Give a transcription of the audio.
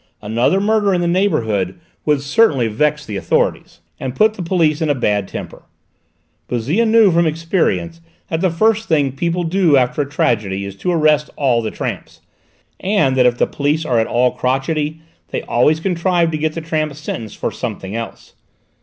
Another murder in the neighbourhood would certainly vex the authorities, and put the police in a bad temper. Bouzille knew from experience that the first thing people do after a tragedy is to arrest all the tramps, and that if the police are at all crotchety they always contrive to get the tramps sentenced for something else.